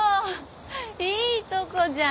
いいとこじゃん。